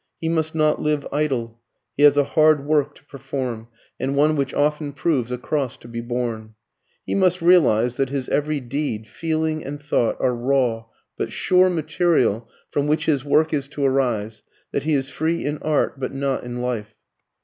He must not live idle; he has a hard work to perform, and one which often proves a cross to be borne. He must realize that his every deed, feeling, and thought are raw but sure material from which his work is to arise, that he is free in art but not in life.